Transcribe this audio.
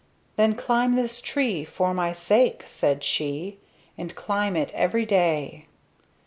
"Then climb this tree for my sake," said she, "And climb it every day!"